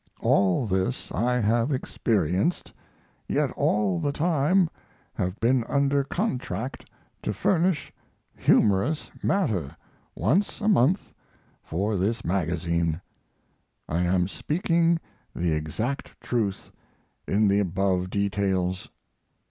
All this I have experienced, yet all the time have been under contract to furnish "humorous" matter, once a month, for this magazine. I am speaking the exact truth in the above details.